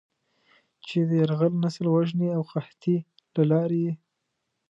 چې د "يرغل، نسل وژنې او قحطۍ" له لارې یې